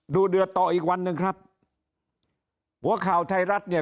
เดือดต่ออีกวันหนึ่งครับหัวข่าวไทยรัฐเนี่ย